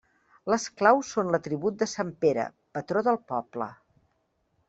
Les claus són l'atribut de sant Pere, patró del poble.